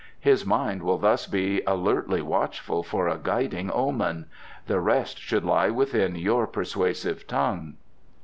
His mind will thus be alertly watchful for a guiding omen. The rest should lie within your persuasive tongue."